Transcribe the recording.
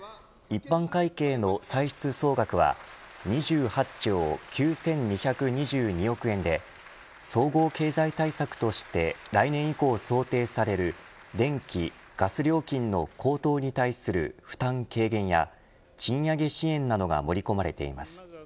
一般会計の歳出総額は２８兆９２２２億円で、総合経済対策として来年以降想定される電気・ガス料金の高騰に対する負担軽減や賃上げ支援などが盛り込まれています。